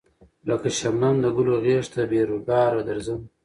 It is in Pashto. لکه شبنم د گلو غېږ ته بې رویباره درځم